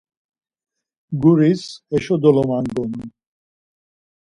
Guris heşo dolamangonu.